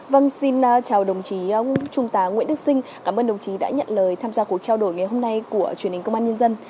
vâng xin chào đồng chí trung tá nguyễn đức sinh cảm ơn đồng chí đã nhận lời tham gia cuộc trao đổi ngày hôm nay của truyền hình công an nhân dân